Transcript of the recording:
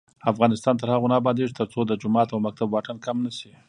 افغانستان تر هغو نه ابادیږي، ترڅو د جومات او مکتب واټن کم نشي.